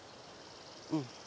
うん。